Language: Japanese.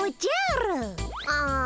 ああ